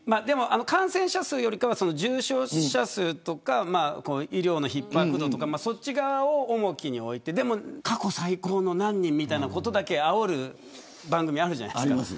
感染者数よりは重症者数とか医療のひっ迫度とかそっち側を重きにおいてでも過去最高の何人みたいなことだけあおる番組あるじゃないですか。